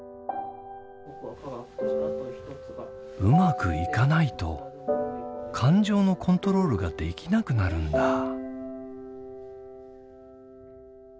うまくいかないと感情のコントロールができなくなるんだ。